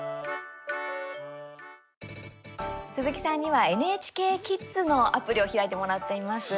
鈴木さんには「ＮＨＫキッズ」のアプリを開いてもらっています。